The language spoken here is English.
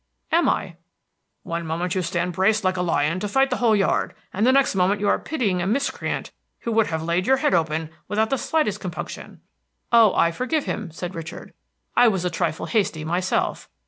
"Am I?" "One moment you stand braced like a lion to fight the whole yard, and the next moment you are pitying a miscreant who would have laid your head open without the slightest compunction." "Oh, I forgive him," said Richard. "I was a trifle hasty myself.